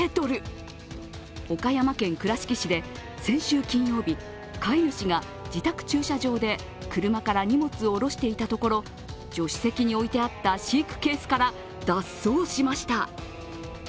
岡山県倉敷市で先週金曜日飼い主が自宅駐車場で車から荷物を降ろしていたところ、助手席に置いてあった飼育ケースから脱走しました。